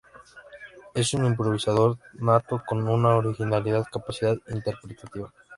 Es un improvisador nato con una original capacidad interpretativa.